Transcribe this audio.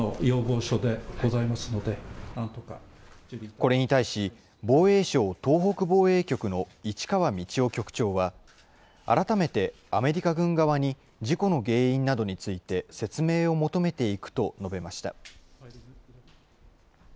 これに対し、防衛省東北防衛局の市川道夫局長は、改めてアメリカ軍側に事故の原因などについて、説明を求めていくと述べました。